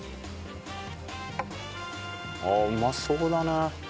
ああうまそうだね。